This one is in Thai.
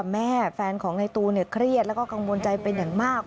แฟนของในตูนเครียดแล้วก็กังวลใจเป็นอย่างมาก